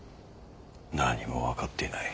何も分かっていない。